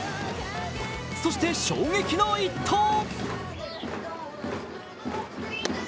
そして衝撃の一投！